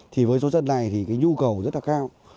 thì với số dân này thì cái nhu cầu rất là cao